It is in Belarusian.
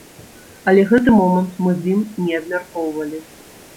Але гэты момант мы з ім не абмяркоўвалі.